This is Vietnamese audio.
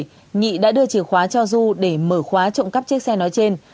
sau đó nhị đã đưa chìa khóa cho du để mở khóa trộm cắt chiếc xe nói trên